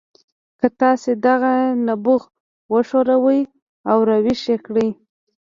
که تاسې دغه نبوغ وښوروئ او راویښ یې کړئ